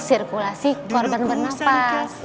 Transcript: sirkulasi korban bernafas